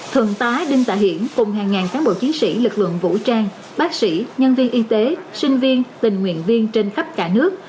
thượng tá đinh tạ hiển cùng hàng ngàn cán bộ chiến sĩ lực lượng vũ trang bác sĩ nhân viên y tế sinh viên tình nguyện viên trên khắp cả nước